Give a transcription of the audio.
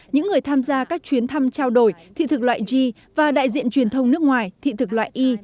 những người tham gia các chuyến thăm trao đổi thị thực loại g và đại diện truyền thông nước ngoài thị thực loại y